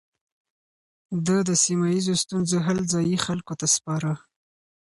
ده د سيمه ييزو ستونزو حل ځايي خلکو ته سپاره.